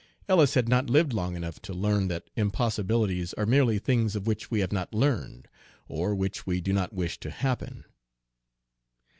Ellis had not lived long enough to learn that impossibilities are merely things of which we have not learned, or which we do not wish to happen.